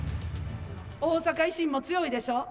大阪維新も強いでしょ。